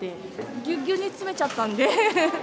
ぎゅうぎゅうに詰めちゃったんで。